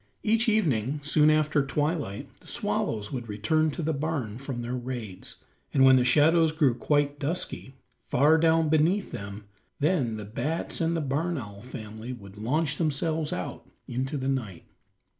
Each evening soon after twilight the swallows would return to the barn from their raids, and when the shadows grew quite dusky, far down beneath them, then the bats and the barn owl family would launch themselves out into the night.